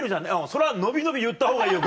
それは伸び伸び言ったほうがいいよ